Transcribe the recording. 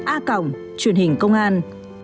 a cổng truyền hình công an